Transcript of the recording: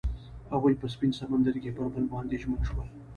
هغوی په سپین سمندر کې پر بل باندې ژمن شول.